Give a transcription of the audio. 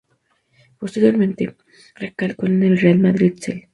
Posteriormente, recaló en el Real Madrid "C".